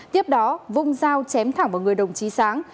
tiếp đó vung dao chém thẳng vào người đồng chí sáng